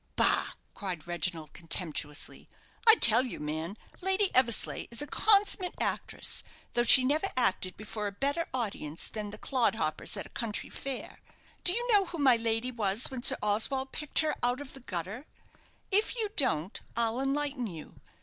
"Bah!" cried Reginald, contemptuously. "I tell you, man, Lady Eversleigh is a consummate actress, though she never acted before a better audience than the clodhoppers at a country fair. Do you know who my lady was when Sir Oswald picked her out of the gutter? If you don't, I'll enlighten you.